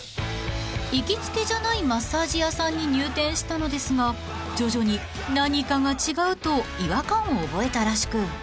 ［行きつけじゃないマッサージ屋さんに入店したのですが徐々に何かが違うと違和感を覚えたらしく］